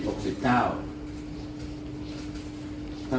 ขอบคุณทุกคน